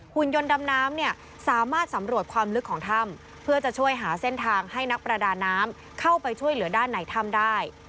คุณยนต์ดำน้ำเนี่ยสามารถสำรวจความลึกของถ้ำเพื่อจะช่วยหาเส้นทางให้นักประดาน้ำเข้าไปช่วยเหลือด้านในถ้ำได้